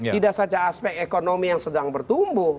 tidak saja aspek ekonomi yang sedang bertumbuh